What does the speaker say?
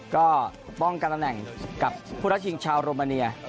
ก็ป้องกันตำแหน่งกับผู้รับชิงชาวโรมาเนีย